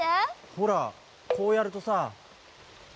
ほらこうやるとさ。